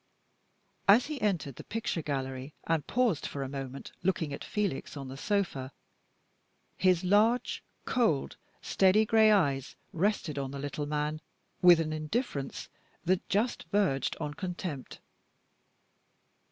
As he entered the picture gallery and paused for a moment looking at Felix on the sofa, his large, cold, steady gray eyes rested on the little man with an indifference that just verged on contempt.